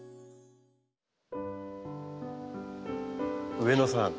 上野さん